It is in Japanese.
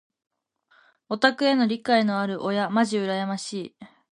オタクへの理解のある親まじ羨ましい。